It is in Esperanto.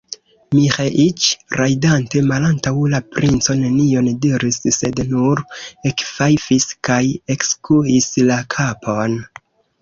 Miĥeiĉ, rajdante malantaŭ la princo, nenion diris, sed nur ekfajfis kaj ekskuis la kapon.